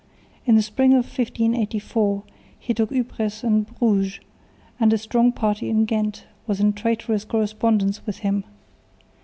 In the spring of 1584 he took Ypres and Bruges, and a strong party in Ghent was in traitorous correspondence with him.